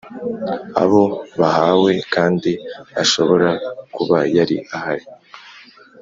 Abo bahawe kandi ashobora kuba yari ahari